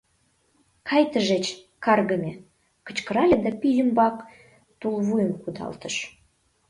Кай тышеч, каргыме! — кычкырале да пий ӱмбак тулвуйым кудалтыш.